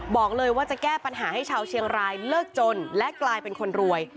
บอกเลยว่าจะแก้ปัญหาให้ชาวเชียงรายเลิกจนและกลายเป็นคนรวย